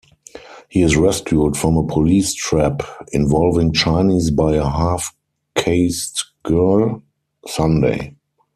He is rescued from a police trap involving Chinese by a half-caste girl, Sunday.